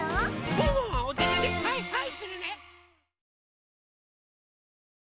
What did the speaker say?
ワンワンはおててではいはいするね！